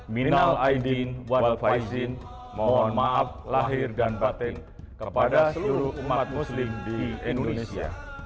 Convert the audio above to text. minal aidin wal faizin mohon maaf lahir dan batin kepada seluruh umat muslim di indonesia